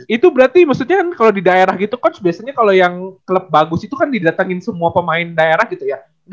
itu berarti maksudnya kalau di daerah gitu coach biasanya kalau yang klub bagus itu kan didatengin semua pemain daerah gitu ya